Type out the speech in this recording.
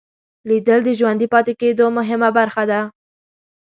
لیدل د ژوندي پاتې کېدو مهمه برخه ده